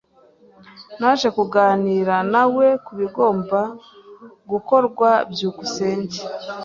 Naje kuganira nawe kubigomba gukorwa. byukusenge